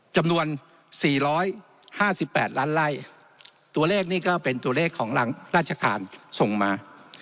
จำนวน๔๕๘ล้านไล่ตัวเลขนี่ก็เป็นตัวเลขของหลังราชการส่งมา